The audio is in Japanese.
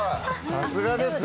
さすがですね。